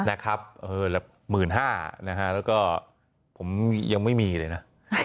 นะครับ๑๕๐๐๐บาทนะครับแล้วก็ผมยังไม่มีเลยนะ